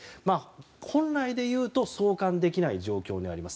本来でいうと送還できない状況になります。